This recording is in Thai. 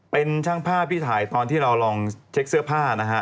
เป็นช่างภาพที่ถ่ายตอนที่เราลองเช็คเสื้อผ้านะฮะ